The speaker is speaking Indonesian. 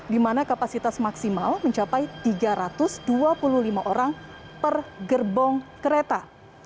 di mana kapasitas maksimal mencapai tiga ratus dua puluh lima orang per gerbong kereta